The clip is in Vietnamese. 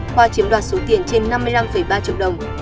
khoa chiếm đoạt số tiền trên năm mươi năm ba triệu đồng